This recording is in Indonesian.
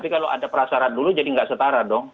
tapi kalau ada prasyarat dulu jadi gak setara dong